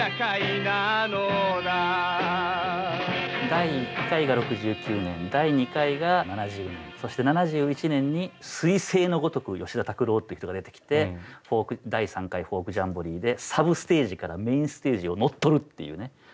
第１回が６９年第２回が７０年そして７１年にすい星のごとく吉田拓郎っていう人が出てきて第３回フォークジャンボリーでサブステージからメインステージを乗っ取るっていうね。